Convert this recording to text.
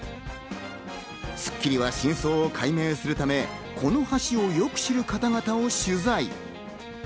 『スッキリ』は真相を解明するため、この橋をよく知る方々を取材。